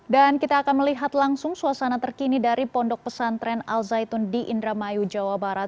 dan kita akan melihat langsung suasana terkini dari pondok pesantren al zaitun di indramayu jawa barat